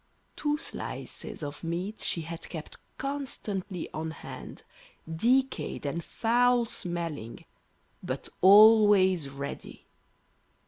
Two slices of meat she had kept constantly on hand, decayed and foul smelling, but always ready.